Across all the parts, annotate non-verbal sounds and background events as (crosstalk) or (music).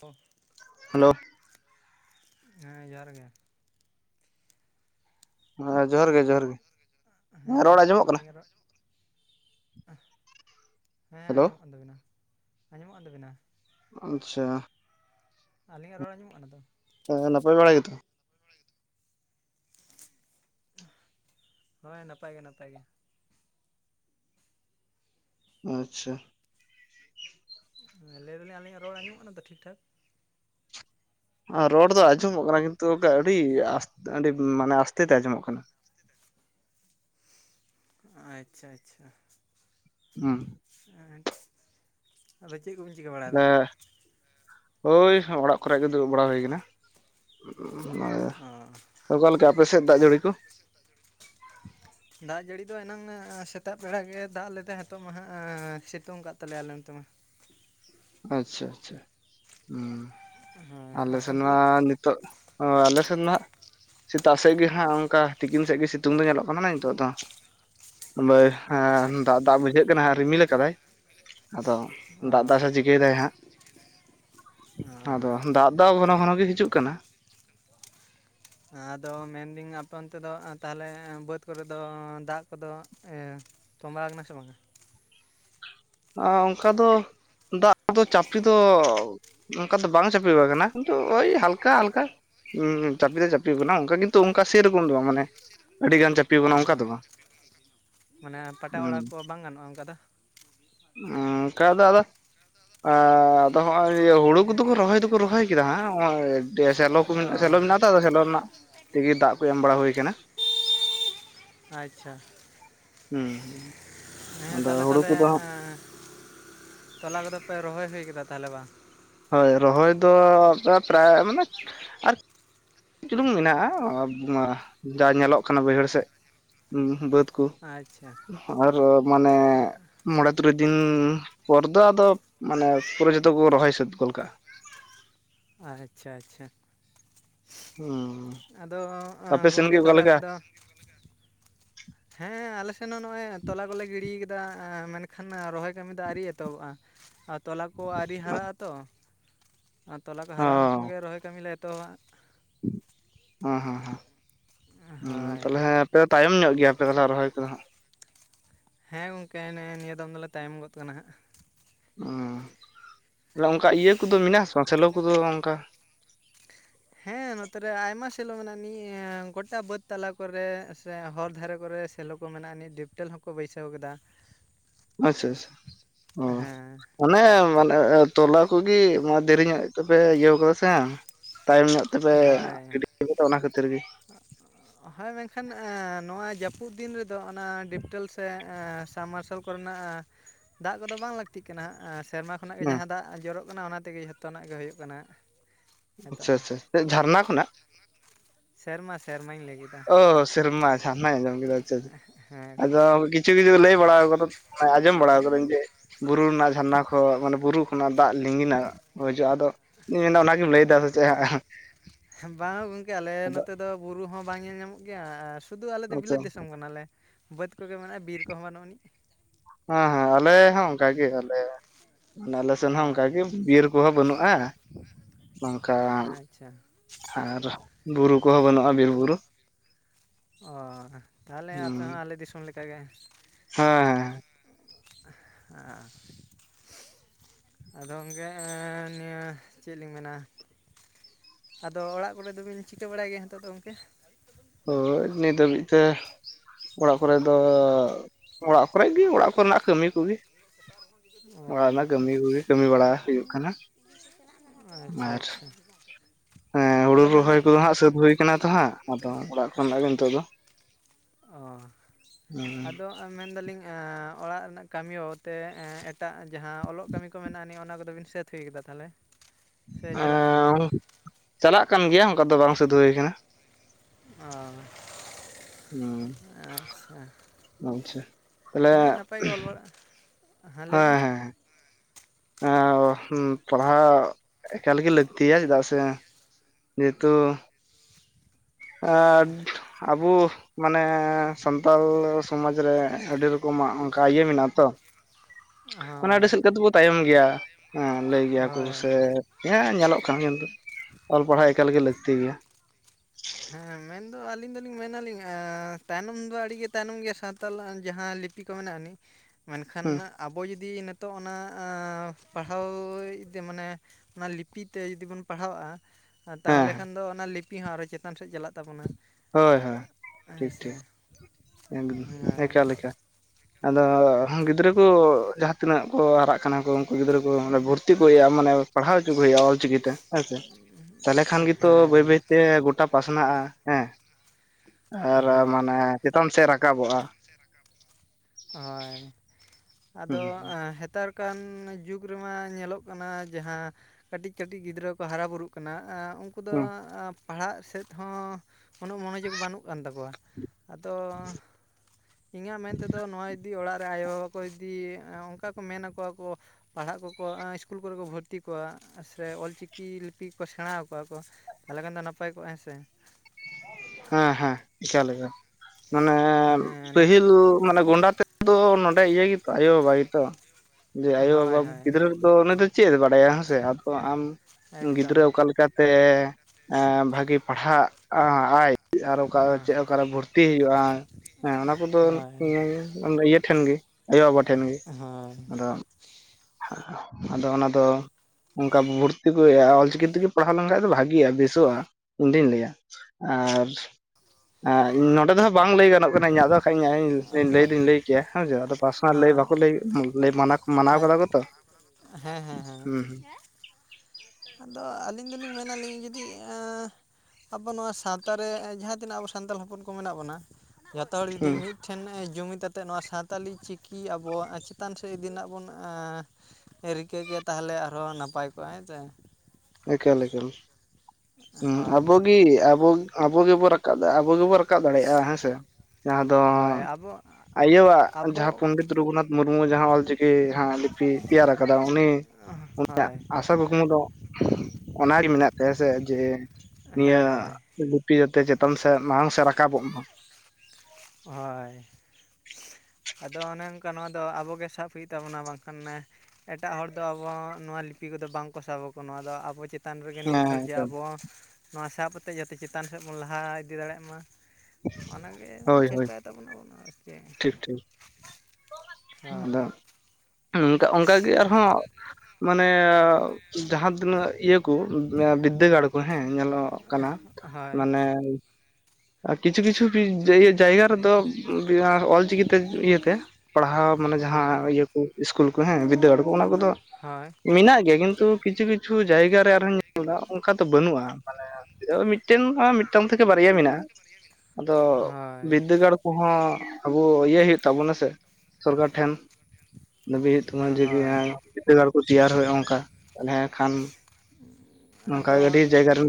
ᱛᱚ ᱦᱮᱞᱳ ᱦᱮᱸ ᱡᱚᱦᱟᱨ ᱜᱮ᱾ ᱦᱮᱸ ᱡᱚᱦᱟᱨ ᱜᱮ ᱡᱚᱦᱟᱨ ᱜᱮ᱾ ᱦᱮᱸ ᱤᱧᱟᱜ ᱨᱚᱲ ᱟᱸᱡᱚᱢᱚᱜ ᱠᱟᱱᱟ? ᱟᱹᱞᱤᱧᱟᱜ ᱨᱚᱲ (unintelligible) ᱦᱮᱸ ᱦᱮᱞᱳ ᱟᱸᱡᱚᱢᱚᱜ ᱛᱟᱵᱤᱱᱟ ᱟᱸᱡᱚᱢᱚᱜ ᱠᱟᱱ ᱛᱟᱵᱤᱱᱟ᱾ ᱟᱪᱪᱷᱟ ᱟᱹᱞᱤᱧᱟᱜ ᱨᱚᱲ ᱧᱟᱢᱚᱜ ᱠᱟᱱᱟ ᱛᱚ? ᱦᱮᱸ ᱱᱟᱯᱟᱭ ᱵᱟᱲᱟ ᱜᱮ ᱛᱚ? ᱦᱳᱭ ᱱᱟᱯᱟᱭ ᱜᱮ ᱱᱟᱯᱟᱭ ᱜᱮ᱾ ᱟᱪᱪᱷᱟ ᱦᱮ ᱞᱟᱹᱭ ᱫᱟᱹᱞᱤᱧ ᱟᱞᱤᱧᱟᱜ ᱨᱚᱲ ᱟᱸᱡᱚᱢᱚᱜ ᱠᱟᱱᱟ ᱛᱚ ᱴᱷᱤᱠ ᱴᱷᱟᱠ? ᱨᱚᱲ ᱫᱚ ᱟᱸᱡᱚᱢᱚᱜ ᱠᱟᱱᱟ ᱠᱤᱱᱛᱩ ᱟᱹᱰᱤ ᱟᱹᱰᱤ ᱢᱟᱱᱮ ᱟᱥᱛᱮ ᱛᱮ ᱟᱸᱡᱚᱢᱚᱜ ᱠᱟᱱᱟ᱾ ᱟᱪᱪᱷᱟ ᱟᱪᱪᱷᱟ ᱦᱮᱸ ᱟᱫᱚ ᱪᱮᱫ ᱠᱚᱵᱤᱱ ᱪᱤᱠᱟᱹ ᱵᱟᱲᱟᱭᱮᱫᱟ? ᱦᱳᱭ ᱚᱲᱟᱜ ᱠᱚᱨᱮ ᱜᱮ ᱫᱩᱲᱩᱵ ᱵᱟᱲᱟ ᱦᱩᱭ ᱠᱟᱱᱟ᱾ ᱚᱱᱟ ᱚ ᱚᱠᱟ ᱞᱮᱠᱟ ᱟᱯᱮ ᱥᱮᱫ ᱫᱟᱜ ᱡᱟᱹᱲᱤ ᱠᱚ? ᱫᱟᱜ ᱡᱟᱹᱲᱤ ᱫᱚ ᱮᱱᱟᱝ ᱥᱮᱛᱟᱜ ᱵᱮᱲᱟ ᱜᱮ ᱫᱟᱜ ᱞᱮᱫᱛᱮ ᱱᱤᱛᱚᱜ ᱢᱟ ᱦᱟᱸᱜ ᱥᱤᱛᱩᱝ ᱟᱠᱟᱫ ᱛᱟᱞᱮᱭᱟ ᱟᱞᱮ ᱚᱱᱛᱮ ᱢᱟ᱾ ᱟᱪᱪᱷᱟ ᱟᱪᱪᱷᱟ ᱦᱩᱸ ᱦᱳᱭ ᱟᱞᱮ ᱟᱯᱮ ᱥᱮᱱ ᱚᱱᱛᱮ ᱢᱟ ᱫᱚ ᱱᱤᱛᱳᱜ ᱚ ᱟᱞᱮᱥᱮᱫ ᱱᱟᱦᱟᱜ ᱥᱮᱛᱟᱜ ᱥᱮᱫ ᱜᱮ ᱦᱟᱸᱜ ᱚᱱᱠᱟ ᱛᱤᱠᱤᱱ ᱥᱮᱫ ᱜᱮ ᱥᱤᱛᱩᱝ ᱫᱚ ᱧᱮᱞᱚᱜ ᱠᱟᱱᱟ ᱱᱤᱛᱚᱜ ᱫᱚ ᱟᱪᱪᱷᱟ ᱫᱟᱜ ᱫᱟᱜ ᱵᱩᱡᱷᱟᱹᱜ ᱠᱟᱱᱟ ᱨᱤᱢᱤᱞ ᱟᱠᱟᱫᱟᱭ ᱟᱫᱚ ᱚ ᱫᱟᱜ ᱫᱟᱜ ᱪᱤᱠᱟᱹᱭ ᱫᱟᱭ ᱦᱟᱸᱜ ᱟᱫᱚ ᱫᱟᱜ ᱫᱟᱜ ᱜᱷᱚᱱᱚ ᱜᱷᱚᱱᱚ ᱜᱮ ᱦᱤᱡᱩᱜ ᱠᱟᱱᱟ ᱟᱫᱚ ᱢᱮᱱᱫᱟᱹᱧ ᱟᱯᱮ ᱚᱱᱛᱮ ᱫᱚ ᱛᱟᱦᱚᱞᱮ ᱵᱟᱹᱫ ᱠᱚᱨᱮ ᱫᱚ ᱫᱟᱜ ᱠᱚᱫᱚ ᱛᱚᱸᱵᱟ ᱵᱟᱲᱟ ᱟᱠᱟᱱᱟ ᱥᱮ ᱵᱟᱝᱟ ᱟᱨ ᱚᱱᱠᱟ ᱫᱚ ᱫᱟᱜ ᱫᱚ ᱪᱟᱯᱮ ᱫᱚ ᱚᱱᱠᱟ ᱫᱚ ᱵᱟᱝ ᱪᱟᱯᱮ ᱟᱠᱟᱱᱟ ᱠᱤᱱᱛᱩ ᱳᱭ ᱦᱟᱞᱠᱟ ᱦᱟᱞᱠᱟ ᱦᱩᱸ ᱪᱟᱯᱮ ᱫᱚ ᱪᱟᱯᱮ ᱠᱟᱱᱟ ᱚᱱᱠᱟ ᱠᱤᱱᱛᱩ ᱚᱱᱠᱟ ᱥᱮᱨᱚᱠᱚᱢ ᱫᱚ ᱵᱟᱝ ᱢᱟᱱᱮ ᱟᱹᱰᱤ ᱜᱟᱱ ᱪᱟᱯᱤᱣ ᱚ ᱟᱠᱟᱱᱟ ᱚᱱᱠᱟ ᱫᱚ ᱵᱟᱝ ᱢᱟᱱᱮ ᱯᱟᱴᱟ ᱦᱩᱸ ᱚᱲᱟᱣ ᱠᱚ ᱵᱟᱝ ᱜᱟᱱᱚᱜᱼᱟ ᱚᱱᱠᱟ ᱫᱟ ᱚᱸᱻ ᱱᱚᱝᱠᱟ ᱫᱚ ᱟᱫᱚ ᱟ ᱟᱫᱚ ᱦᱚᱜᱼᱚᱭ ᱦᱩᱲᱩ ᱠᱚᱫᱚ ᱠᱚ ᱨᱚᱦᱚᱭ ᱫᱚᱠᱚ ᱨᱚᱦᱚᱭ ᱠᱮᱫᱟ ᱦᱟᱸᱜ ᱱᱚᱜ-ᱚᱭ ᱫᱤᱭᱮ ᱥᱮᱞᱚ ᱠᱚ ᱚ ᱥᱮᱞᱚ ᱢᱮᱱᱟᱜ ᱛᱚ ᱥᱮᱞᱚ ᱨᱮᱱᱟᱜ ᱛᱮᱜᱮ ᱫᱟᱜ ᱠᱚ ᱮᱢ ᱵᱟᱲᱟ ᱦᱩᱭ ᱟᱠᱟᱱᱟ ᱟᱪᱪᱷᱟ ᱦᱩᱸ ᱦᱮᱸ ᱟᱫᱚ ᱛᱟᱦᱚᱞᱮ ᱦᱩᱲᱩ ᱛᱟᱦᱚᱞᱮ ᱠᱚᱫᱚ ᱛᱚᱞᱟ ᱠᱚᱫᱚ ᱯᱮ ᱨᱚᱦᱚᱭ ᱦᱩᱭ ᱠᱟᱫᱟ ᱛᱟᱦᱚᱞᱮ ᱵᱟᱝ? ᱦᱳᱭ ᱨᱚᱦᱚᱭ ᱫᱚ ᱯᱨᱟᱭ ᱢᱟᱱᱮ ᱟᱨ ᱠᱟᱹᱪ ᱪᱩᱞᱩᱝ ᱢᱮᱱᱟᱜᱼᱟ ᱡᱟ ᱧᱮᱞᱚᱜ ᱠᱟᱱᱟ ᱵᱟᱹᱭᱦᱟᱹᱲ ᱥᱮᱫ ᱵᱟᱹᱫ ᱠᱩ ᱟᱪᱪᱷᱟ ᱟᱨ ᱢᱟᱱᱮ ᱢᱚᱬᱮ ᱛᱩᱨᱩᱭ ᱫᱤᱱ ᱯᱚᱨ ᱫᱚ ᱟᱫᱚ ᱢᱟᱱᱮ ᱯᱩᱨᱟᱹ ᱡᱚᱛᱚ ᱠᱚ ᱨᱚᱦᱚᱭ ᱥᱟᱹᱛ ᱜᱚᱫ ᱠᱟᱜᱼᱟ ᱟᱪᱪᱷᱟ ᱟᱪᱪᱷᱟ ᱦᱚᱸ ᱟᱫᱚ ᱮᱸ ᱜᱚᱢᱠᱮ ᱛᱟᱦᱚᱞᱮ ᱟᱯᱮ ᱫᱚ ᱦᱮᱸ ᱟᱞᱮ ᱥᱮᱱ ᱦᱚᱸ ᱱᱚᱜᱼᱚᱭ ᱛᱚᱞᱟ ᱠᱚᱞᱮ ᱜᱤᱲᱤ ᱠᱟᱫᱟ ᱢᱮᱱᱠᱷᱟᱱ ᱨᱚᱦᱚᱭ ᱠᱟᱹᱢᱤ ᱫᱚ ᱟᱹᱣᱨᱤ ᱮᱛᱚᱦᱚᱵᱚᱜᱼᱟ ᱟᱪᱷ (unintelligible) ᱛᱚᱞᱟ ᱠᱚ ᱟᱣᱨᱤ ᱦᱟᱨᱟᱜᱼᱟ ᱛᱚ ᱟᱨ ᱛᱚᱞᱟ ᱠᱚ ᱚ ᱦᱟᱨᱟ ᱞᱮᱱᱠᱷᱟᱱ ᱜᱮ ᱨᱚᱦᱚᱭ ᱠᱟᱢᱤ ᱞᱮ ᱮᱛᱚᱦᱚᱵᱟ ᱦᱮᱸ ᱦᱮᱸ ᱦᱮᱸ ᱦᱳᱭ ᱛᱟᱦᱞᱮ ᱟᱯᱮ ᱛᱟᱭᱚᱢ ᱧᱚᱜ ᱜᱮᱭᱟ ᱯᱮ ᱛᱟᱦᱞᱮ ᱨᱚᱦᱚᱭ ᱠᱚᱫᱚ ᱦᱟᱸᱜ ᱦᱮᱸ ᱜᱚᱢᱠᱮ ᱱᱮᱱᱤᱭᱟᱹ ᱫᱚᱢ ᱫᱚᱞᱮ ᱛᱟᱭᱚᱢ ᱜᱚᱫ ᱠᱟᱱᱟ ᱦᱟᱸᱜ ᱚᱸ ᱛᱟᱦᱞᱮ ᱚᱱᱠᱟ ᱤᱭᱟᱹ ᱠᱚᱫᱚ ᱢᱮᱱᱟᱜ ᱥᱮ ᱵᱟᱝ ᱥᱮᱞᱳ ᱠᱚᱫᱚ ᱚᱱᱠᱟ ᱦᱮᱸ ᱱᱚᱛᱮ ᱨᱮ ᱟᱭᱢᱟ ᱥᱮᱞᱚ ᱢᱮᱱᱟᱜᱼᱟ ᱱᱤᱭᱟᱹ ᱜᱚᱴᱟ ᱵᱟᱹᱫ ᱛᱟᱞᱟ ᱠᱚᱨᱮ ᱥᱮ ᱦᱚᱨ ᱫᱷᱟᱨᱮ ᱠᱚᱨᱮ ᱥᱮ ᱥᱮᱞᱚ ᱠᱚ ᱢᱮᱱᱟᱜᱼᱟᱱᱤᱡ ᱰᱤᱯᱴᱮᱞ ᱦᱚᱸᱠᱚ ᱵᱟᱹᱭᱥᱟᱹᱣ ᱠᱟᱫᱟ ᱦᱮᱸ ᱟᱱᱮ ᱢᱟᱱᱮ ᱛᱚᱞᱟ ᱠᱚᱜᱮ ᱢᱟ ᱫᱮᱨᱤ ᱧᱚᱜ ᱛᱮᱯᱮ ᱤᱭᱟᱹᱣ ᱠᱟᱫᱟ ᱥᱮ ᱛᱟᱭᱚᱢ ᱧᱚᱜ ᱛᱮᱯᱮ ᱜᱤᱰᱤ ᱠᱟᱫᱟ ᱚᱱᱟ ᱠᱷᱟᱹᱛᱤᱨ ᱜᱤ ᱟᱨ (unintelligible) ᱦᱳᱭ ᱢᱮᱱᱠᱷᱟᱱ ᱱᱚᱣᱟ ᱡᱟᱹᱯᱩᱫ ᱫᱤᱱ ᱨᱮᱫᱚ ᱚᱱᱟ ᱰᱤᱯᱴᱮᱞ ᱥᱮ ᱥᱟᱢᱢᱟᱨᱥᱟᱞ ᱠᱚᱨᱮᱱᱟᱜ ᱫᱟᱜ ᱠᱚᱫᱚ ᱵᱟᱝ ᱞᱟᱹᱠᱛᱤᱜ ᱠᱟᱱᱟ ᱟᱸ ᱥᱮᱨᱢᱟ ᱡᱚᱛᱚ ᱠᱷᱚᱱᱟᱜ ᱦᱮᱸ ᱜᱮ ᱡᱟᱦᱟᱸ ᱫᱟᱜ ᱡᱚᱨᱚᱜ ᱠᱟᱱᱟ ᱚᱱᱟ ᱛᱮᱜᱮ ᱡᱷᱚᱛᱚᱱᱟᱜ ᱜᱮ ᱦᱩᱭᱩᱜ ᱠᱟᱱᱟ ᱦᱟᱸᱜ ᱟᱪᱪᱷᱟ ᱟᱪᱪᱷᱟ ᱡᱷᱟᱨᱱᱟ ᱠᱷᱚᱱᱟᱜ ᱥᱮᱨᱢᱟ ᱥᱮᱨᱢᱟᱧ ᱞᱟᱹᱭ ᱠᱮᱫᱟ ᱳ ᱥᱮᱨᱢᱟ ᱡᱷᱟᱨᱱᱟᱧ ᱟᱸᱡᱚᱢ ᱠᱮᱫᱟ ᱟᱪᱪᱷᱟ ᱦᱮᱸ ᱟᱫᱚ ᱜᱚᱝᱠᱮ ᱠᱤᱪᱷᱩ ᱠᱤᱪᱷᱩ ᱞᱟᱹᱭ ᱵᱟᱲᱟᱣ ᱠᱟᱫᱟ ᱢᱟᱱᱮ ᱟᱸᱡᱚᱢ ᱵᱟᱲᱟᱣ ᱠᱟᱫᱟᱹᱧ ᱡᱮ ᱵᱩᱨᱩ ᱨᱮᱱᱟᱜ ᱡᱷᱟᱨᱱᱟ ᱠᱷᱚᱜ ᱢᱟᱱᱮ ᱵᱩᱨᱩ ᱠᱷᱚᱱᱟᱜ ᱫᱟᱜ ᱞᱤᱸᱜᱤᱱᱟ ᱦᱤᱡᱩᱜᱼᱟ ᱟᱫᱚ ᱤᱧ ᱢᱮᱱᱫᱟ ᱚᱱᱟ ᱞᱟᱹᱭ ᱫᱟ ᱥᱮ ᱪᱮᱫ ᱦᱟᱸᱜ ᱵᱟᱝ ᱜᱚᱝᱠᱮ ᱟᱞᱮ ᱱᱚᱛᱮ ᱫᱚ ᱵᱩᱨᱩ ᱦᱚᱸ ᱵᱟᱝ ᱧᱮᱞ ᱧᱟᱢᱚᱜ ᱜᱮᱭᱟ ᱥᱩᱫᱩ ᱟᱞᱮ ᱫᱚ ᱟᱪᱪᱷᱟ ᱵᱤᱞᱟᱹᱛ ᱫᱤᱥᱚᱢ ᱠᱟᱱᱟ ᱱᱟᱞᱮ ᱵᱟᱹᱫ ᱠᱚᱜᱮ ᱢᱮᱱᱟᱜᱼᱟ ᱵᱤᱨ ᱠᱚᱦᱚᱸ ᱵᱟᱹᱱᱩᱜ ᱟᱹᱱᱤᱡ ᱦᱮᱸ ᱦᱮᱸ ᱟᱞᱮ ᱦᱚᱸ ᱚᱱᱠᱟᱜᱮ ᱟᱞᱮ ᱢᱟᱱᱮ ᱟᱞᱮ ᱥᱮᱱ ᱚ ᱦᱚᱸ ᱚᱱᱠᱟᱜᱮ ᱵᱤᱨ ᱠᱚᱦᱚᱸ ᱵᱟᱹᱱᱩᱜᱼᱟ ᱱᱚᱝᱠᱟ ᱟᱪᱪᱷᱟ ᱟᱨ ᱵᱩᱨᱩ ᱠᱚᱦᱚᱸ ᱵᱟᱹᱱᱩᱜᱼᱟ ᱵᱤᱨᱵᱩᱨᱩ ᱚ ᱛᱟᱦᱚᱞᱮ ᱟᱯᱮ ᱦᱚᱸ ᱟᱞᱮ ᱫᱤᱥᱚᱢ ᱞᱮᱠᱟᱜᱮ ᱦᱮᱸᱻ ᱟᱨ ᱟᱫᱚ ᱜᱚᱢᱠᱮ ᱱᱤᱭᱟᱹ ᱪᱮᱫ ᱞᱤᱧ ᱢᱮᱱᱟ ᱟᱫᱚ ᱚᱲᱟᱜ ᱠᱚᱨᱮ ᱫᱚᱵᱤᱱ ᱪᱤᱠᱟᱹ ᱵᱟᱲᱟᱭ ᱜᱮᱭᱟ ᱦᱮᱛᱚᱜ ᱫᱚ ᱜᱚᱢᱠᱮ ᱦᱳᱭ ᱱᱤᱛ ᱦᱟᱹᱵᱤᱡ ᱛᱮ ᱚᱲᱟᱜ ᱠᱚᱨᱮ ᱫᱚ ᱚᱲᱟᱜ ᱠᱚᱨᱮᱡ ᱜᱮ ᱚᱲᱟᱜ ᱠᱚᱨᱮᱱᱟᱜ ᱠᱟᱹᱢᱤ ᱠᱚᱜᱮ ᱚᱲᱟᱜ ᱳᱻ ᱨᱮᱱᱟᱜ ᱠᱟᱹᱢᱤ ᱠᱚᱜᱮ ᱠᱟᱹᱢᱤ ᱵᱟᱲᱟ ᱦᱩᱭᱩᱜ ᱠᱟᱱᱟ ᱟᱪᱪᱷᱟ ᱟᱨ ᱟᱪᱪᱷᱟ ᱦᱮᱸ ᱦᱩᱲᱩ ᱟᱫᱚ ᱢᱮᱱᱫᱟ ᱨᱚᱦᱚᱭ ᱠᱚᱫᱚ ᱦᱟᱸᱜ ᱥᱟᱹᱛ ᱦᱩᱭᱩ ᱠᱟᱱᱟ ᱛᱚ ᱦᱟᱸᱜ᱾ ᱟᱫᱚ ᱚᱲᱟᱜ ᱠᱷᱚᱱᱟᱜ ᱜᱮ ᱱᱤᱛᱚᱜ ᱫᱚ ᱚ ᱟᱫᱚ ᱢᱮᱱᱫᱟᱞᱤᱧ ᱚᱲᱟᱜ ᱨᱮᱱᱟᱜ ᱠᱟᱹᱢᱤᱭ ᱛᱮ, ᱮᱴᱟᱜ ᱡᱟᱦᱟᱸ ᱚᱞᱚᱜ ᱠᱟᱹᱢᱤ ᱠᱚ ᱢᱮᱱᱟᱜᱼᱟ, ᱟᱹ ᱱᱤᱭᱟᱹ ᱚᱱᱟ ᱠᱚᱫᱚᱵᱤᱱ ᱥᱟᱹᱛ ᱴᱷᱤᱠ ᱜᱮᱭᱟ ᱛᱟᱦᱚᱞᱮ, ᱥᱮ ᱪᱟᱞᱟᱜ ᱠᱟᱱ ᱜᱮᱭᱟ? ᱮᱸ ᱪᱟᱞᱟᱜ ᱠᱟᱱ ᱜᱮᱭᱟ ᱚᱱᱠᱟ ᱫᱚ ᱵᱟᱝ ᱥᱟᱹᱫ ᱦᱩᱭ ᱟᱠᱟᱱᱟ᱾ ᱚ ᱦᱮᱸ ᱟᱪᱪᱷᱟ ᱟᱪᱪᱷᱟ᱾ ᱛᱟᱦᱚᱞᱮ ᱦᱮᱸ ᱱᱟᱯᱟᱭ ᱜᱮ ᱚᱞ ᱵᱟᱲᱟᱜᱼᱟ ᱦᱮᱸ ᱞᱟᱹᱭ ᱵᱤᱱ? ᱯᱟᱲᱦᱟᱣ ᱮᱠᱟᱞᱜᱮ ᱞᱟᱹᱠᱛᱤᱭᱟ, ᱪᱤᱫᱟᱜ ᱥᱮ ᱡᱮᱦᱮᱛᱩ ᱟᱨ ᱟᱵᱩ ᱢᱟᱱᱮ ᱥᱟᱱᱛᱟᱞ ᱥᱚᱢᱟᱡᱽ ᱨᱮ, ᱟᱹᱰᱤ ᱨᱚᱠᱚᱢᱟᱜ ᱚᱱᱠᱟ ᱤᱭᱟᱹ ᱢᱮᱱᱟᱜ ᱛᱚ? ᱢᱟᱱᱮ ᱦᱳᱭ ᱟᱹᱰᱤ ᱥᱮᱫ ᱠᱟᱛᱮᱵᱚ ᱛᱟᱭᱚᱢ ᱜᱮᱭᱟ᱾ ᱦᱮᱸ ᱞᱟᱹᱭ ᱜᱮᱭᱟ ᱠᱚ ᱦᱳᱭ ᱥᱮ? ᱦᱮᱸ ᱧᱮᱞᱚᱜ ᱠᱟᱱᱟ ᱧᱮᱞ ᱫᱚ᱾ ᱚᱞ ᱯᱟᱲᱦᱟᱣ ᱮᱠᱟᱞ ᱜᱮ ᱞᱟᱹᱠᱛᱤ ᱜᱮᱭᱟ᱾ ᱦᱮᱸ ᱢᱮᱱ ᱫᱚ ᱟᱹᱞᱤᱧ ᱫᱚᱞᱤᱧ ᱢᱮᱱᱟᱞᱤᱧ ᱟᱸᱻ ᱛᱟᱭᱱᱚᱢ ᱫᱚ ᱟᱹᱲᱤᱜᱮ ᱛᱟᱭᱱᱚᱢ ᱜᱮᱭᱟ ᱥᱟᱣᱛᱟᱞᱟᱜ ᱡᱟᱦᱟᱸ ᱞᱤᱯᱤ ᱠᱚ ᱢᱮᱱᱟᱜ ᱟᱹᱱᱤᱡ ᱾ ᱢᱮᱱᱠᱷᱟᱱ ᱦᱩᱸ ᱟᱵᱚ ᱡᱩᱫᱤ ᱱᱤᱛᱚᱜ ᱚᱱᱟ, ᱯᱟᱲᱦᱟᱣ ᱢᱟᱱᱮ ᱚᱱᱟ ᱞᱤᱯᱤ ᱛᱮ ᱡᱩᱫᱤ ᱵᱚᱱ ᱯᱟᱲᱦᱟᱣᱼᱟ ᱦᱮᱸ ᱛᱟᱦᱚᱞᱮ ᱠᱷᱟᱱ ᱫᱚ ᱚᱱᱟ ᱞᱤᱯᱤ ᱦᱚᱸ ᱟᱨᱦᱚ ᱪᱮᱛᱟᱱ ᱥᱮᱫ ᱪᱟᱞᱟᱜ ᱛᱟᱵᱚᱱᱟ᱾ ᱦᱳᱭ ᱦᱳᱭ ᱦᱮᱸ ᱴᱷᱤᱠ ᱥᱮ ᱴᱷᱤᱠ, ᱮᱩ ᱦᱳᱭ ᱮᱠᱟᱞ ᱮᱠᱟᱞ᱾ ᱟᱫᱚ ᱜᱤᱫᱽᱨᱟᱹ ᱠᱚ ᱡᱟᱦᱟᱸ ᱛᱤᱱᱟᱹᱜ ᱠᱚ, ᱦᱟᱨᱟᱜ ᱠᱟᱱᱟ ᱠᱚ, ᱩᱱᱠᱩ ᱜᱤᱫᱽᱨᱟᱹ ᱠᱚ ᱵᱷᱚᱨᱛᱤ ᱠᱚᱼᱟ ᱢᱟᱱᱮ ᱯᱟᱲᱦᱟᱶ ᱚᱪᱩ ᱠᱚ ᱦᱳᱭᱩᱜ ᱟ ᱚᱞ ᱪᱤᱠᱤᱛᱮ ᱦᱮᱥᱮ ᱛᱟᱦᱚᱞᱮ ᱠᱷᱟᱱ ᱜᱮᱛᱚ, ᱵᱟᱹᱭ ᱦᱳᱭ ᱵᱟᱹᱭᱛᱮ ᱜᱚᱴᱟ ᱯᱟᱥᱱᱟᱜᱼᱟ ᱦᱮᱸ ᱟᱨ ᱦᱳᱭ ᱢᱟᱱᱮ ᱪᱮᱛᱟᱱ ᱥᱮᱫ ᱨᱟᱠᱟᱵᱚᱜᱼᱟ ᱦᱳᱭ ᱟᱫᱚ ᱦᱩᱸ ᱦᱮᱛᱟᱨ ᱚᱱᱠᱟᱱ ᱡᱩᱜᱽ ᱨᱮᱢᱟ ᱧᱮᱞᱚᱜ ᱠᱟᱱᱟ ᱡᱟᱦᱟᱸ ᱠᱟᱹᱴᱤᱡ ᱠᱟᱹᱴᱤᱡ ᱜᱤᱫᱽᱨᱟᱹ ᱠᱚ ᱦᱟᱨᱟᱼ ᱵᱩᱨᱩᱜ ᱠᱟᱱᱟ ᱟᱸ ᱩᱸ ᱩᱱᱠᱩ ᱫᱚ ᱦᱩᱸ ᱯᱟᱲᱦᱟᱜ ᱥᱮᱫ ᱦᱚᱸ, ᱩᱱᱟᱹᱜ ᱢᱚᱱᱳᱚᱡᱳᱜᱽ ᱵᱟᱹᱱᱩᱜ ᱠᱟᱱ ᱛᱟᱠᱚᱣᱟ᱾ ᱟᱫᱚ ᱤᱧᱟᱹᱜ ᱢᱮᱱ ᱛᱮᱫᱚ ᱱᱚᱣᱟ ᱡᱩᱫᱤ ᱚᱲᱟᱜ ᱨᱮ ᱟᱭᱳ ᱵᱟᱵᱟ ᱠᱚ ᱡᱩᱫᱤ, ᱚᱱᱠᱟ ᱠᱚ ᱢᱮᱱᱟᱠᱚᱣᱟ ᱠᱚ ᱯᱟᱲᱦᱟᱜ ᱠᱚᱠᱚ ᱟᱸ ᱤᱥᱠᱩᱞ ᱠᱚᱨᱮ ᱠᱚ ᱵᱷᱚᱨᱛᱤ ᱠᱚᱣᱟ, ᱥᱮ ᱚᱞᱪᱤᱠᱤ ᱞᱤᱯᱤ ᱠᱚ ᱥᱮᱬᱟᱣ ᱠᱚᱣᱟ ᱠᱚ ᱾ ᱛᱟᱦᱚᱞᱮ ᱠᱷᱟᱱ ᱫᱚ ᱱᱟᱯᱟᱭ ᱠᱚᱜᱼᱟ ᱦᱮᱸ ᱥᱮ? ᱦᱮᱸ ᱦᱮᱸ ᱮᱠᱟᱞ ᱮᱠᱟᱞ, ᱢᱟᱱᱮ ᱦᱮᱸ ᱱᱤᱛ ᱯᱟᱹᱦᱤᱞ ᱢᱟᱱᱮ ᱜᱚᱸᱰᱟᱨᱛᱮ ᱫᱚ ᱱᱚᱰᱮ ᱤᱭᱟᱹ ᱜᱮᱛᱚ ᱟᱭᱳ ᱵᱟᱵᱟ ᱜᱮᱛᱚ, ᱡᱮ ᱟᱭᱳᱵᱟᱵᱟ ᱦᱳᱭ ᱦᱳᱭ ᱜᱤᱫᱽᱨᱟᱹ ᱟᱫᱚ ᱩᱱᱤ ᱫᱚ ᱪᱮᱫ ᱮ ᱵᱟᱲᱟᱭᱟ ᱦᱮᱸᱥᱮ, ᱟᱫᱚ ᱟᱢ ᱮᱠᱫᱚᱢ ᱜᱤᱫᱽᱨᱟᱹ ᱚᱠᱟᱞᱮᱠᱟ ᱥᱮ ᱵᱷᱟᱹᱜᱮ ᱯᱟᱲᱦᱟᱜ ᱟᱭ ᱟᱨ ᱚᱠᱟ ᱪᱮᱫ ᱚᱠᱟᱨᱮ ᱵᱷᱚᱨᱛᱤ ᱦᱳᱭᱩᱜᱼᱟ? ᱦᱮᱸ ᱚᱱᱟ ᱠᱚᱫᱚ ᱦᱳᱭ ᱚᱱᱮ ᱤᱭᱟᱹ ᱴᱷᱮᱱ ᱜᱮ᱾ ᱟᱭᱳᱼᱵᱟᱵᱟ ᱴᱷᱮᱱ ᱜᱮ, ᱦᱳᱭ ᱟᱫᱚ ᱟᱫᱚ ᱚᱱᱟ ᱫᱚ ᱚᱱᱠᱟ ᱵᱷᱚᱨᱛᱤ ᱠᱚᱼᱟ, ᱚᱞᱪᱤᱠᱤ ᱛᱮᱜᱮ ᱯᱟᱲᱦᱟᱣ ᱞᱮᱱᱠᱟᱱ ᱫᱚ ᱵᱷᱟᱜᱤᱜᱼᱟ ᱵᱮᱥᱚᱜᱼᱟ᱾ ᱤᱧ ᱫᱩᱧ ᱞᱟᱹᱭᱟ? ᱟᱨ ᱱᱚᱸᱰᱮ ᱫᱚᱦᱟᱜ ᱵᱟᱝ ᱞᱟᱹᱭ ᱜᱟᱱᱚᱜ ᱠᱟᱱᱟ ᱤᱧᱟᱹᱜ ᱫᱚᱼᱼ ᱵᱟᱠᱷᱟᱡ ᱤᱧ ᱞᱟᱹᱭ ᱫᱩᱧ ᱞᱟᱹᱭ ᱠᱮᱭᱟ ᱦᱮᱸ ᱪᱮ ᱟᱫᱚ ᱯᱟᱨᱥᱳᱱᱟᱞ ᱞᱟᱹᱭ ᱦᱮᱸ ᱵᱟᱠᱚ ᱞᱟᱹᱭ ᱞᱟ. ᱭ ᱢᱟᱱᱟ ᱢᱟᱱᱟᱣ ᱟᱪ ᱠᱟᱫᱟ ᱠᱚ ᱛᱚ? ᱦᱮᱸ ᱦᱮᱸ ᱦᱮᱸ ᱦᱩᱸ ᱦᱩᱸ ᱟᱫᱚ ᱟᱹᱞᱤᱧ ᱫᱚᱞᱤᱧ ᱢᱮᱱᱟᱞᱤᱧ ᱡᱩᱫᱤ ᱮᱸ ᱟᱵᱚ ᱱᱚᱣᱟ ᱥᱟᱶᱛᱟ ᱨᱮ, ᱡᱟᱦᱟᱸ ᱛᱤᱱᱟᱹᱜ ᱟᱵᱚ ᱥᱟᱱᱛᱟᱲ ᱦᱚᱯᱚᱱ ᱠᱚ ᱢᱮᱱᱟᱜ ᱵᱚᱱᱟ, ᱡᱚᱛᱚ ᱦᱚᱲ ᱡᱩᱫᱤ ᱦᱩᱸ ᱢᱤᱫ ᱴᱷᱮᱱ ᱡᱩᱢᱤᱫ ᱟᱛᱮᱫ ᱱᱚᱣᱟ ᱥᱟᱶᱛᱟᱞᱤ ᱪᱤᱠᱤ ᱟᱵᱚ ᱪᱮᱛᱟᱱ ᱥᱮᱫ ᱤᱫᱤ ᱨᱮᱱᱟᱜ ᱵᱚᱱ ᱮᱸᱻ ᱨᱤᱠᱟᱹᱜ ᱠᱮᱭᱟ ᱛᱟᱦᱚᱞᱮ ᱟᱨᱦᱚᱸ, ᱱᱟᱯᱟᱭ ᱠᱚᱜᱼᱟ ᱦᱮᱸ ᱥᱮ ᱮᱠᱟᱞ ᱮᱠᱟᱞ ᱦᱮ ᱦᱳᱭ ᱟᱵᱚᱜᱮ, ᱟᱵᱚ ᱟᱵᱚᱜ ᱜᱮᱵᱚ ᱨᱟᱵ (unintelligible) ᱟᱵᱚ ᱜᱮᱵᱚ ᱨᱟᱠᱟᱵ ᱫᱟᱲᱮᱭᱟᱜᱼᱟ᱾ ᱦᱮᱸ ᱥᱮ ᱡᱟᱦᱟᱸ ᱫᱚ ᱦᱳᱭ ᱟᱵᱚ ᱟᱭᱳᱣᱟ -ᱜ ᱟᱵᱚ ᱡᱟᱦᱟᱸ ᱯᱚᱱᱰᱤᱛ ᱨᱚᱜᱷᱩᱱᱟᱛᱷ ᱢᱩᱨᱢᱩ ᱡᱟᱦᱟᱸ ᱚᱞᱪᱤᱠᱤ ᱦᱟᱸ ᱞᱤᱯᱤ ᱛᱮᱭᱟᱨ ᱟᱠᱟᱫᱟ ᱩᱱᱤ ᱩᱱᱤᱤᱭᱟᱜᱻᱻ ᱦᱳᱭ ᱠᱩᱠᱢᱩ ᱫᱚ ᱚᱱᱟᱜᱮ ᱢᱮᱱᱟᱜ ᱛᱟᱭᱟ ᱥᱮ ᱡᱮ ᱱᱤᱭᱟᱹᱻᱻ ᱦᱮᱸ ᱪᱤ ᱡᱟᱛᱮ ᱪᱮᱛᱟᱱ ᱥᱮᱫ ᱢᱟᱲᱟᱝ ᱥᱮᱫ ᱨᱟᱠᱟᱵᱚᱜ ᱢᱟ ᱦᱳᱭ ᱟᱫᱚ ᱚᱱᱮ ᱚᱱᱠᱟ ᱱᱚᱣᱟ ᱫᱚ ᱟᱵᱚᱜᱮ ᱥᱟᱵ ᱦᱩᱭᱩᱜ ᱛᱟᱵᱚᱱᱟ ᱵᱟᱝᱠᱷᱟᱱᱮᱻᱻ ᱮᱴᱟᱜ ᱦᱚᱲ ᱫᱚ ᱟᱵᱚ ᱱᱚᱣᱟ ᱞᱤᱯᱤ ᱠᱚᱫᱚ ᱵᱟᱝᱠᱚ ᱥᱟᱵ ᱟᱠᱚ ᱱᱚᱣᱟ ᱫᱚ ᱟᱵᱚ ᱪᱮᱛᱟᱱᱻᱻ ᱪᱮᱛᱟᱱ ᱨᱮᱜᱮ ᱱᱤᱨᱵᱷᱚᱨ ᱡᱮ ᱦᱮᱸ ᱟᱵᱚ ᱱᱚᱣᱟ ᱥᱟᱵ ᱠᱟᱛᱮᱫ ᱡᱟᱛᱮ ᱪᱮᱛᱟᱱ ᱥᱮᱫ ᱵᱚᱱ ᱞᱟᱦᱟ ᱤᱫᱤ ᱫᱟᱲᱮᱭᱟᱜ ᱢᱟ ᱚᱱᱟᱜᱮ ᱦᱳᱭ ᱦᱳᱭ ᱪᱮᱥᱴᱟᱭ ᱛᱟᱵᱚᱱ ᱟᱵᱚᱱᱟ ᱜᱮ ᱴᱷᱤᱠ ᱴᱷᱤᱠ ᱟᱫᱚ ᱚᱱᱠᱟ ᱜᱮ ᱟᱨᱦᱚᱸ ᱢᱟᱱᱮᱻᱻ ᱡᱟᱦᱟᱸ ᱛᱤᱱᱟᱹᱜ ᱤᱭᱟᱹᱻᱻ ᱵᱤᱫᱽᱫᱟᱹᱜᱟᱲ ᱠᱚ ᱦᱮᱸ ᱧᱮᱞᱚᱜ ᱠᱟᱱᱟ ᱦᱳᱭ ᱢᱟᱱᱮᱻᱻ ᱟᱨ ᱠᱤᱪᱩ ᱠᱥᱪᱷᱩ ᱡᱟᱭᱜᱟ ᱨᱮᱫᱚ ᱵᱤᱦᱟᱨ ᱚᱞᱪᱤᱠᱤᱛᱮ ᱤᱭᱟᱹᱛᱮ ᱯᱟᱲᱦᱟᱣ ᱢᱟᱱᱮ ᱡᱟᱦᱟᱸ ᱦᱳᱭ ᱤᱭᱟᱹ ᱤᱥᱠᱩᱞ ᱠᱚ ᱦᱮᱸ ᱵᱤᱫᱽᱫᱟᱹᱜᱟᱲ ᱠᱚ ᱚᱱᱟ ᱠᱚᱫᱚᱻᱻ ᱦᱳᱭ ᱢᱮᱱᱟᱜ ᱜᱮᱭᱟ ᱠᱤᱱᱛᱩ ᱠᱤᱪᱷᱩ ᱠᱤᱪᱷᱩ ᱡᱟᱭᱜᱟ ᱨᱮ ᱟᱨᱦᱚ ᱤᱧ ᱧᱮᱞᱫᱟ ᱚᱱᱠᱟ ᱫᱚ ᱵᱟᱹᱱᱩᱜᱼᱟ ᱢᱤᱫᱴᱮᱱ ᱵᱟ ᱢᱤᱫᱴᱟᱝ ᱛᱷᱮᱠᱮ ᱵᱟᱨᱭᱟ ᱢᱮᱱᱟᱜᱼᱟ ᱟᱫᱚ ᱵᱤᱫᱽᱫᱟᱹᱜᱟᱲᱻᱻ ᱠᱚᱦᱚᱸ ᱟᱵᱚ ᱤᱭᱟᱹ ᱦᱩᱭᱩᱜ ᱛᱟᱵᱚᱱᱟ ᱥᱮ ᱥᱚᱨᱠᱟᱨ ᱴᱷᱮᱱᱻᱻ ᱫᱟᱹᱵᱤ ᱦᱩᱭᱩᱜ ᱛᱟᱢᱟ ᱦᱳᱭ ᱡᱮ ᱦᱳᱭ ᱵᱤᱫᱫᱟᱹᱜᱟᱲ ᱠᱚ ᱛᱮᱭᱟᱨ ᱦᱩᱭᱩᱜᱼᱟ ᱚᱱᱠᱟ ᱛᱟᱦᱚᱞᱮᱻᱻ ᱠᱷᱟᱱ ᱱᱚᱝᱠᱟ ᱟᱫᱚ ᱟᱹᱰᱤ ᱡᱟᱭᱜᱟ ᱨᱮ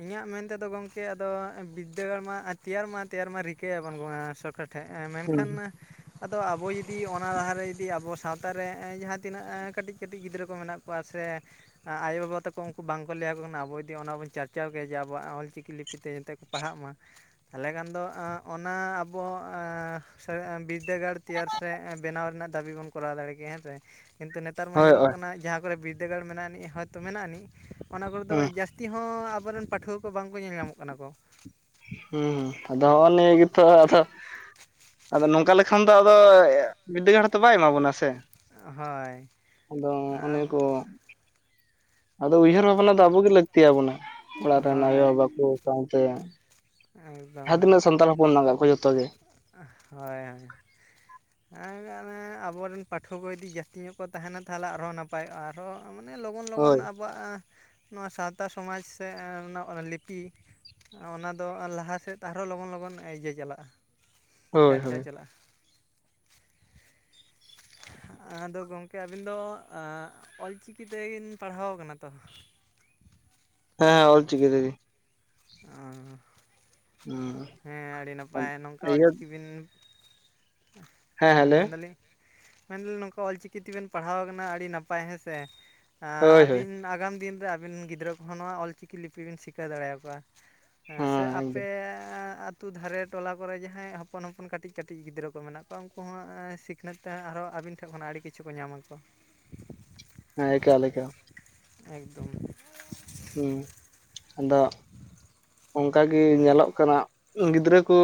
ᱤᱧᱟᱹᱜ ᱢᱮᱱᱛᱮᱫᱚ ᱜᱚᱝᱠᱮ ᱟᱫᱚ ᱵᱤᱫᱽᱫᱟᱹᱜᱟᱲ ᱢᱟ ᱛᱮᱭᱟᱨ ᱢᱟ ᱛᱮᱭᱟᱨ ᱢᱟ ᱨᱤᱠᱟᱹᱭᱟ ᱵᱟᱝ ᱢᱟ ᱥᱚᱨᱠᱟᱨ ᱦᱮᱸ ᱦᱮᱸ ᱢᱮᱱᱠᱷᱟᱱ ᱢᱟ ᱻᱻ ᱟᱫᱚ ᱟᱵᱚ ᱡᱩᱫᱤ ᱚᱱᱟ ᱞᱟᱦᱟᱨᱮ ᱡᱩᱫᱤ ᱟᱵᱚ ᱥᱟᱶᱛᱟ ᱨᱮ ᱡᱟᱦᱟᱸ ᱛᱤᱱᱟᱹ ᱠᱟᱹᱴᱤᱡ ᱠᱟᱹᱴᱤᱡ ᱜᱤᱫᱽᱨᱟᱹ ᱠᱚ ᱢᱮᱱᱟᱜᱻᱻ ᱠᱚᱣᱟ ᱠᱚᱣᱟ ᱥᱮᱻᱻ ᱟᱭᱳᱼᱵᱟᱵᱟ ᱛᱟᱠᱚ ᱩᱱᱠᱩ ᱵᱟᱝᱠᱚ ᱞᱟᱹᱭᱟᱠᱚ ᱠᱟᱱᱟ ᱟᱵᱚ ᱡᱩᱤ ᱚᱱᱟ ᱵᱚᱱ ᱪᱟᱨᱪᱟᱣ ᱠᱮᱭᱟ ᱡᱮ ᱟᱵᱚᱣᱟᱜ ᱚᱞᱪᱤᱠᱤ ᱞᱤᱯᱤᱛᱮ ᱡᱚᱛᱮ ᱠᱚ ᱯᱟᱲᱦᱟ ᱢᱟ ᱛᱟᱦᱚᱞᱮ ᱠᱷᱟᱱ ᱫᱚ ᱚᱱᱟ ᱟᱵᱚᱻᱻ ᱵᱤᱨᱤᱫᱽᱫᱟᱹᱜᱟᱲ ᱛᱮᱭᱟᱨ ᱥᱮ ᱵᱮᱱᱟᱣ ᱨᱮᱱᱟᱜ ᱫᱟᱹᱵᱤ ᱵᱚᱱ ᱠᱚᱨᱟᱣ ᱫᱟᱲᱮ ᱠᱮᱭᱟ ᱦᱮᱸᱥᱮ ᱠᱤᱱᱛᱩ ᱱᱤᱛᱚᱻᱻ ᱱᱮᱛᱟᱨ ᱢᱟ ᱦᱳᱭ ᱧᱮᱞᱚᱜ ᱦᱳᱭ ᱠᱟᱱᱟ ᱡᱟᱦᱟᱸ ᱠᱚᱨᱮ ᱵᱤᱨᱫᱟᱹᱜᱟᱲ ᱢᱮᱱᱟᱜ ᱟᱹᱱᱤᱡ ᱦᱚᱭᱛᱳ ᱢᱮᱱᱟᱜ ᱟᱹᱱᱤᱡ ᱚᱱᱟ ᱠᱚᱨ ᱫᱚ ᱦᱩᱸ ᱡᱟᱹᱟᱥᱛᱤᱻᱻ ᱡᱟᱥᱛᱤᱦᱚ ᱟᱵᱚᱨᱮᱱ ᱯᱟᱹᱴᱷᱩᱣᱟᱹ ᱠᱚ ᱵᱟᱝᱠᱚ ᱧᱮᱞ ᱧᱟᱢᱚ ᱠᱟᱱᱟ ᱠᱚ ᱦᱩᱸ ᱟᱫᱚ ᱚᱱᱮ ᱜᱮᱛᱚ ᱟᱫᱚ ᱟᱫᱚ ᱱᱚᱝᱠᱟ ᱞᱮᱠᱷᱟᱱ ᱫᱚ ᱟᱫᱚᱻᱻ ᱦᱳᱭ ᱟᱫᱚ ᱚᱱᱮ ᱠᱚ ᱟᱫᱚ ᱩᱭᱦᱟᱹᱨ ᱵᱷᱟᱵᱽᱱᱟ ᱫᱚ ᱟᱵᱚ ᱜᱮ ᱞᱟᱹᱠᱛᱤ ᱟᱵᱚᱱᱼᱟ ᱚᱲᱟᱜ ᱨᱮᱱ ᱦᱳᱭ ᱟᱭᱳᱼᱵᱟᱵᱟ ᱠᱚ ᱥᱟᱶᱛᱮ ᱮᱠᱫᱚᱢ ᱡᱟᱦᱟᱸ ᱛᱤᱱᱟᱹᱜ ᱥᱟᱱᱛᱟᱲ ᱦᱚᱯᱚᱱ ᱢᱮᱱᱟ ᱠᱚᱣᱟ ᱡᱚᱛᱚ ᱜᱮ ᱦᱳᱭ ᱦᱳᱭ ᱦᱮᱸᱜᱮ ᱚᱱᱮ ᱟᱵᱚᱨᱮᱱ ᱯᱟᱹᱴᱷᱩᱣᱟᱹ ᱠᱚ ᱡᱩᱫᱤ ᱡᱟᱹᱥᱛᱤ ᱧᱚᱜ ᱠᱚ ᱛᱟᱦᱮᱱᱟ ᱛᱟᱦᱚᱞᱮ ᱟᱨᱦᱚᱸ ᱱᱟᱯᱟᱭᱚᱜᱼᱟ ᱟᱨᱦᱚᱸᱻᱻ ᱢᱟᱱᱮ ᱞᱚᱜᱚᱱ ᱞᱚᱜᱚᱱ ᱦᱳᱭ ᱟᱵᱚᱣᱟᱜ ᱱᱚᱣᱟ ᱥᱟᱶᱛᱟ ᱥᱚᱢᱟᱡᱽ ᱥᱮ ᱱᱚᱭᱟ ᱞᱤᱯᱤ ᱚᱱᱟ ᱫᱚ ᱞᱟᱦᱟ ᱥᱮᱫ ᱟᱨᱦᱚᱸ ᱞᱚᱜᱚᱱ ᱞᱚᱜᱚᱱ ᱤᱭᱟᱹ ᱪᱟᱞᱟᱜᱼᱟ ᱦᱳᱭ ᱪᱟᱨᱪᱟ ᱦᱳᱭ ᱪᱟᱞᱟᱜᱼᱟ ᱟᱫᱚ ᱜᱚᱝᱠᱮ ᱟᱹᱵᱤᱱ ᱫᱚ ᱚᱞᱪᱤᱠᱤ ᱛᱮᱵᱤᱱ ᱯᱟᱲᱦᱟᱣ ᱠᱟᱱᱟ ᱛᱚ? ᱦᱮᱸ ᱚᱞ ᱪᱤᱠᱤ ᱛᱮᱜᱮ ᱾ ᱚᱼ ᱦᱩ ᱦᱮᱸ ᱟᱹᱰᱤ ᱱᱟᱯᱟᱭ ᱱᱚᱝᱠᱟ ᱚᱞᱪᱤᱠᱤ ᱵᱤᱱ ᱦᱮᱸ ᱢᱮᱱᱫᱟᱞᱤᱧᱻᱻ ᱢᱮᱱ ᱫᱟᱞᱤᱧ ᱱᱚᱝᱠᱟ ᱚᱞᱪᱤᱠᱤ ᱛᱮᱵᱮᱱ ᱯᱟᱲᱦᱟᱣ ᱠᱟᱱᱟ ᱟᱹᱰᱤ ᱱᱟᱯᱟᱭ ᱦᱮᱸ ᱥᱮ ᱢᱮ ᱦᱳᱭ ᱦᱳᱭ ᱟᱹᱵᱤᱱ ᱟᱜᱟᱢ ᱫᱤᱱ ᱨᱮ ᱟᱹᱵᱤᱱ ᱜᱤᱫᱽᱨᱟᱹ ᱠᱚᱦᱚᱸ ᱱᱚᱣᱟ ᱚᱞᱪᱤᱠᱤ ᱞᱤᱯᱤ ᱵᱤᱱ ᱥᱤᱠᱟᱹ ᱫᱟᱲᱮᱭᱟᱠᱚᱣᱟ ᱦᱮᱸ ᱥᱮ ᱟᱯᱮᱻᱻ ᱟ ᱟᱹᱛᱩ ᱫᱷᱟᱨᱮ ᱴᱚᱞᱟ ᱠᱚᱨᱮ ᱡᱟᱦᱟᱸᱭ ᱦᱚᱯᱚᱱ ᱦᱚᱯᱚᱱ ᱠᱟᱹᱴᱤᱡ ᱠᱟᱹᱴᱤᱡ ᱜᱤᱫᱽᱨᱟᱹ ᱠᱚ ᱢᱮᱱᱟᱜ ᱠᱚᱣᱟ ᱩᱱᱠᱩ ᱦᱚᱸ ᱥᱤᱼᱼ ᱤᱠᱷᱱᱟᱹ ᱛᱮ ᱟᱨᱦᱚ ᱟᱹᱵᱤᱱ ᱴᱷᱮᱱ ᱠᱷᱚᱱᱟᱜ ᱟᱹᱰᱤ ᱠᱤᱪᱷᱩᱠᱚ ᱧᱟᱢ ᱟᱠᱚ ᱦᱮᱸ ᱮᱠᱟᱞ ᱮᱠᱟᱞ ᱮᱠᱫᱚᱢ ᱦᱩᱸ ᱟᱫᱚᱻᱻ ᱚᱱᱠᱟ ᱜᱮ ᱧᱮᱞᱚᱜ ᱠᱟᱱᱟ ᱜᱤᱫᱽᱨᱟᱹ ᱠᱚ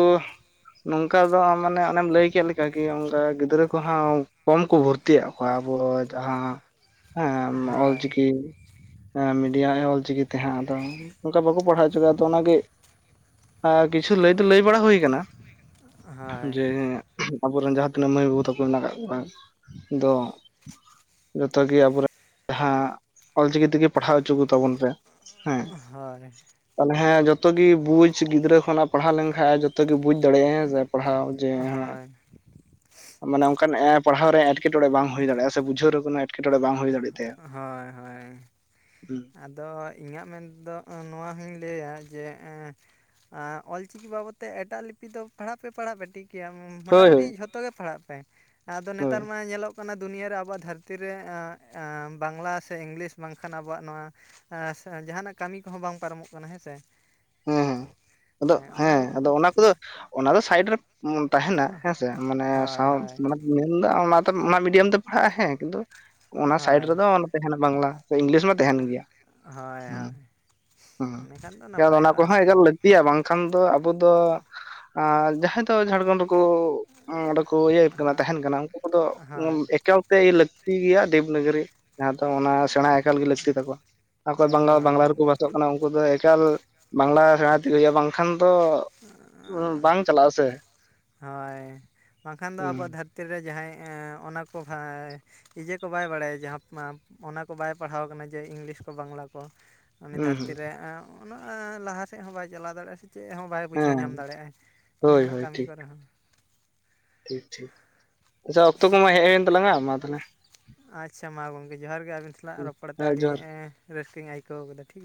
ᱱᱚᱝᱠᱟ ᱫᱚ ᱢᱟᱱᱮ ᱚᱱᱮᱢ ᱞᱟᱹᱭ ᱠᱮᱫ ᱠᱟᱹᱠᱤ ᱚᱱᱠᱟ ᱜᱤᱫᱽᱨᱟᱹ ᱠᱚᱦᱚᱸ ᱠᱚᱢ ᱠᱚ ᱵᱷᱚᱨᱛᱤ ᱠᱚᱣᱟ ᱟᱵᱚ ᱡᱟᱦᱟᱸ ᱦᱮᱸ ᱦᱳᱭ ᱚᱞᱪᱤᱠᱤ ᱢᱤᱰᱤᱭᱟ ᱚᱞᱪᱤᱠᱤ ᱛᱮᱦᱟᱸ ᱟᱫᱚ ᱚᱱᱠᱟ ᱵᱟᱠᱚ ᱯᱟᱲᱦᱟᱣ ᱚᱪᱚ ᱠᱚᱣᱟ ᱾ ᱛᱚ ᱚᱱᱟ ᱜᱮ ᱠᱤᱪᱷᱩ ᱞᱟᱹᱭ ᱫᱚ ᱞᱟᱹᱭ ᱵᱟᱲᱟ ᱦᱩᱭ ᱟᱠᱟᱱᱟ, ᱦᱳᱭ ᱡᱮ ᱟᱵᱚᱨᱮᱱ ᱡᱟᱦᱟᱸ ᱛᱤᱱᱟᱹᱜ ᱢᱟᱹᱭ ᱵᱟᱹᱵᱩ ᱛᱟᱠᱚ ᱢᱮᱱᱟᱜ ᱠᱟᱜ ᱠᱚᱣᱟ ᱫᱚ ᱡᱚᱛᱚ ᱜᱮ ᱟᱵᱚ ᱨᱮᱱ ᱡᱟᱦᱟᱸ ᱚᱞᱪᱤᱠᱤ ᱛᱮᱜᱮ ᱯᱟᱲᱦᱟᱣ ᱦᱚᱪᱚ ᱠᱚᱛᱟ ᱵᱚᱱ ᱯᱮ ᱦᱮᱸ ᱾ ᱦᱚᱭ ᱾ ᱛᱟᱦᱚᱞᱮ ᱦᱮᱸ ᱡᱚᱛᱚ ᱜᱮ ᱵᱩᱡᱽ ᱜᱤᱫᱽᱨᱟᱹ ᱠᱷᱚᱱᱟᱜ ᱯᱟᱲᱦᱟᱣ ᱞᱮᱱᱠᱷᱟᱡ ᱡᱚᱛᱚ ᱜᱮ ᱵᱩᱡᱽ ᱫᱟᱲᱮᱭᱟᱜᱼᱟ ᱯᱟᱲᱦᱟᱣ ᱡᱮ ᱦᱳᱭ ᱦᱳᱭ ᱢᱟᱱᱮ ᱚᱱᱠᱟᱱ ᱯᱟᱲᱦᱟᱣ ᱨᱮ ᱮᱴᱠᱮᱴᱚᱬᱮ ᱵᱟᱝ ᱦᱩᱭ ᱫᱟᱲᱭᱟᱜᱼᱟ ᱥᱮ ᱵᱩᱡᱷᱟᱹᱣ ᱨᱮᱱᱟᱜ ᱮᱴᱠᱮᱴᱚᱬᱮ ᱵᱟᱝ ᱦᱩᱭ (unintelligible) ᱦᱳᱭ ᱦᱳᱭ᱾ ᱦᱩᱸ ᱟᱫᱚ ᱤᱧᱟᱹᱜ ᱢᱮᱱ ᱛᱮᱫᱚ ᱱᱚᱣᱟ ᱦᱚᱧ ᱞᱟᱹᱭᱟ ᱡᱮ ᱟᱨ ᱚᱞᱪᱤᱠᱤ ᱵᱟᱵᱚᱫᱛᱮ ᱛᱮ ᱮᱴᱟᱜ ᱞᱤᱯᱤ ᱫᱚ ᱯᱟᱲᱦᱟᱜ ᱯᱮ ᱯᱟᱲᱦᱟᱜᱼᱟ ᱯᱮ ᱴᱷᱤᱠ ᱠᱮᱭᱟ ᱦᱳᱭ ᱢᱚᱴᱟᱢᱩᱴᱤ ᱦᱳᱭ ᱡᱷᱚᱛᱚ ᱜᱮ ᱯᱟᱲᱦᱟᱜ ᱯᱮ ᱟᱫᱚ ᱦᱳᱭ ᱱᱮᱛᱟᱨ ᱢᱟ ᱧᱮᱞᱚᱜ, (unintelligible) ᱫᱩᱱᱭᱟᱹ ᱨᱮ ᱟᱵᱚᱣᱟᱜ ᱫᱷᱟᱹᱨᱛᱤ ᱨᱮ ᱵᱟᱝᱞᱟ ᱥᱮ ᱤᱝᱞᱤᱥ ᱵᱟᱝ ᱠᱷᱟᱱ ᱟᱵᱚᱼᱼ ᱟᱵᱚᱣᱟᱜ ᱱᱚᱣᱟ ᱡᱟᱦᱟᱸᱱᱟᱜ ᱠᱟᱹᱢᱤ ᱠᱚᱦᱚᱸ ᱵᱟᱝ ᱯᱟᱨᱚᱢᱚᱜ ᱠᱟᱱᱟ ᱦᱮᱸ ᱥᱮ ᱾ ᱦᱮᱸ ᱟᱫᱚ ᱦᱮᱸ ᱠᱚ ᱟᱫᱚ ᱚᱱᱟ ᱠᱚᱫᱚ ᱚᱱᱟ ᱫᱚ ᱥᱟᱭᱤᱰ ᱨᱮ ᱛᱟᱦᱮᱱᱟ ᱦᱮᱸᱥᱮ ᱢᱟᱱᱮ ᱦᱳᱭ ᱥᱟᱶ ᱦᱳᱭ ᱢᱟᱱᱮ (unintelligible) ᱚᱱᱟ ᱢᱤᱰᱤᱭᱟᱢ ᱛᱮ ᱯᱟᱲᱦᱟᱜᱼᱟ ᱦᱮᱸ, ᱠᱤᱱᱛᱩ ᱚᱱᱟ ᱥᱟᱭᱤᱰ ᱦᱳᱭ ᱨᱮᱫᱚ ᱛᱟᱦᱮᱱᱟ ᱵᱟᱝᱞᱟ ᱥᱮ ᱤᱝᱞᱤᱥ ᱢᱟ ᱛᱟᱦᱮᱱ ᱜᱮᱭᱟ ᱾ ᱦᱳᱭ ᱦᱳᱭ ᱾ ᱡᱮ ᱚᱱᱟ ᱠᱚᱦᱚᱸ ᱮᱠᱟᱞ ᱞᱟᱹᱠ ᱟᱹᱛᱤᱭᱟ ᱵᱟᱝ ᱠᱷᱟᱱ ᱫᱚ ᱟᱵᱚ ᱫᱚ ᱡᱟᱦᱟᱸᱭ ᱫᱚ ᱡᱷᱟᱲᱠᱷᱚᱸᱰ ᱨᱮᱠᱚ ᱚᱸᱰᱮ ᱠᱚ ᱤᱭᱟᱹᱭ ᱠᱟᱱᱟ ᱛᱟᱦᱮᱱ ᱠᱟᱱᱟ ᱩᱱᱠᱩ ᱠᱚᱫᱚ ᱦᱳᱭ ᱮᱠᱟᱞ ᱞᱟᱹᱠᱛᱤ ᱜᱮᱭᱟ ᱫᱮᱵ ᱱᱟᱜᱚᱨᱤ ᱡᱟᱦᱟᱸ ᱫᱚ ᱚᱱᱟ ᱥᱮᱬᱟ ᱮᱠᱟᱞ ᱜᱮ ᱞᱟᱹᱠᱛᱤ ᱛᱟᱠᱚᱣᱟ, ᱟᱠᱚᱭ ᱵᱟᱝ ᱮᱠᱫᱚᱢ ᱵᱟᱝᱞᱟ ᱮᱠᱫᱚᱢ ᱨᱮᱠᱚ ᱵᱟᱥᱚᱜ ᱠᱟᱱᱟ ᱩᱱᱠᱩ ᱫᱚ ᱮᱠᱟᱞ ᱵᱟᱝᱞᱟ ᱥᱮᱬᱟ ᱛᱮᱜᱮ ᱦᱩᱭᱩᱜᱼᱟ ᱾ ᱵᱟᱝᱠᱷᱟᱱ ᱫᱚ ᱵᱟᱝ ᱪᱟᱞᱟᱜ ᱟᱥᱮ ᱾ ᱦᱳᱭ ᱵᱟᱝ ᱠᱷᱟᱱ ᱫᱚ ᱟᱵᱚᱣᱟᱜ ᱫᱷᱟᱹᱨᱛᱤ ᱨᱮ ᱡᱟᱦᱟᱸᱭ ᱚᱱᱟ ᱠᱚ ᱤᱡᱮ ᱠᱚ ᱵᱟᱭ ᱵᱟᱲᱟᱭᱟ, ᱡᱟᱦᱟᱸ ᱚᱱᱟ ᱠᱚ ᱵᱟᱭ ᱯᱟᱲᱦᱟᱣ ᱠᱟᱱᱟ ᱡᱮ ᱤᱝᱞᱤᱥ ᱠᱚ, ᱵᱟᱝᱞᱟ ᱠᱚ ᱾ ᱩᱱᱤ ᱦᱩᱸ ᱫᱷᱟᱹᱨᱛᱤ ᱦᱩᱸ ᱨᱮ ᱩᱱᱟᱹᱜ ᱞᱟᱦᱟ ᱥᱮᱫ ᱦᱚᱸ ᱵᱟᱭ ᱪᱟᱞᱟᱣ ᱫᱟᱲᱮᱭᱟᱜᱼᱟ, ᱥᱮ ᱪᱮᱫ ᱦᱚᱸ ᱵᱟᱭ ᱵᱩᱡᱷᱟᱹᱣ ᱦᱮᱸ ᱧᱟᱢ ᱫᱟᱲᱮᱭᱟᱜᱼᱟᱭ ᱦᱳᱭ ᱡᱟᱦᱟᱸᱱᱟᱜ ᱦᱳᱭ ᱠᱟᱹᱢᱤ ᱴᱷᱤᱠ ᱠᱚᱨᱮ ᱦᱚᱸ ᱾ ᱴᱷᱤᱠ ᱴᱷᱤᱠ ᱾ ᱟᱪᱪᱷᱟ, ᱚᱠᱛᱚ ᱠᱚᱢᱟ ᱦᱮᱡᱮᱱ ᱛᱟᱞᱟᱝᱟ ᱢᱟ ᱛᱟᱦᱚᱞᱮ ᱾ ᱟᱪᱪᱷᱟ, ᱢᱟ ᱜᱚᱝᱠᱮ ᱡᱚᱦᱟᱨ ᱜᱮ ᱾ ᱟᱹᱵᱤᱱ ᱥᱟᱞᱟᱜ ᱨᱚᱯᱚᱲ ᱛᱮ ᱦᱮᱸ ᱟᱹᱰᱤ ᱡᱚᱦᱟᱨ ᱨᱟᱹᱥᱠᱟᱹᱧ ᱟᱹᱭᱠᱟᱹᱣ ᱠᱮᱫᱟ ᱴᱷᱤᱠ ᱜᱮᱭᱟ ᱾